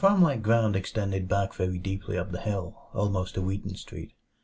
"] The farm like ground extended back very deeply up the hill, almost to Wheaton Street.